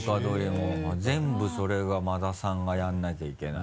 全部それが馬田さんがやらなきゃいけない。